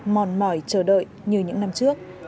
mòn mỏi chờ đợi như những năm trước